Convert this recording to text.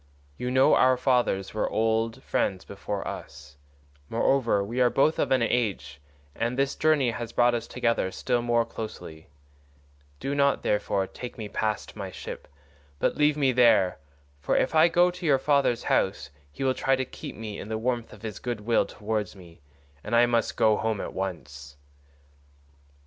You know our fathers were old friends before us; moreover, we are both of an age, and this journey has brought us together still more closely; do not, therefore, take me past my ship, but leave me there, for if I go to your father's house he will try to keep me in the warmth of his good will towards me, and I must go home at once."